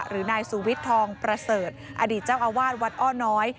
หรือนายสุวิทย์ทองประเสริฐอดีตเจ้าอาวาสวัดอ้อน้อย